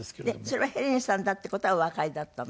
それはヘレンさんだって事はおわかりだったの？